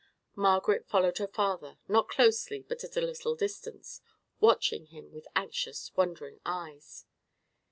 Margaret followed her father, not closely, but at a little distance, watching him with anxious, wondering eyes.